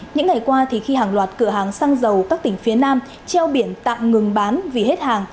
những ngày qua khi hàng loạt cửa hàng xăng dầu các tỉnh phía nam treo biển tạm ngừng bán vì hết hàng